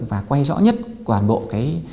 và quay rõ nhất toàn bộ cái